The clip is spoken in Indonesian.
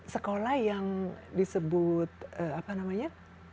sekolah yang disebut apa namanya